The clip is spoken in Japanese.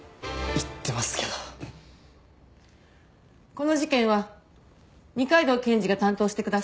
この事件は二階堂検事が担当してください。